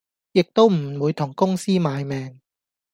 亦都唔會同公司賣命